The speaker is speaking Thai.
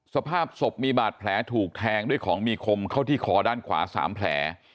สภาพศพมีบาดแผลถูกแทงด้วยของมีคมเข้าที่คอด้านขวา๓แผล